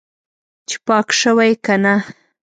چې پاک شوی که نه.